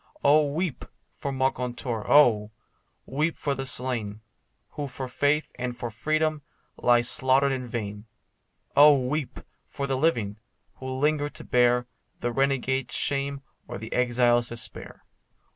Oh, weep for Moncontour! Oh! weep for the slain, Who for faith and for freedom lay slaughtered in vain; Oh, weep for the living, who linger to bear The renegade's shame, or the exile's despair.